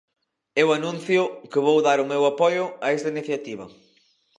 Eu anuncio que vou dar o meu apoio a esta iniciativa.